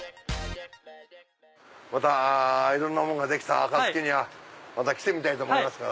またいろんなもんができた暁には来てみたいと思いますから。